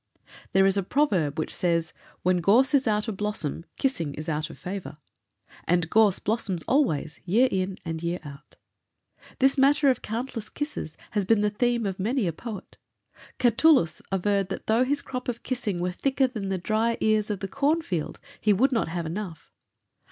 There is a proverb which says: "When gorse is out of blossom, kissing is out of favor;" and gorse blossoms always, year in and year out. This matter of countless kisses has been the theme of many a poet. Catullus averred that though his crop of kissing were thicker than the dry ears of the corn field, he would not have enough.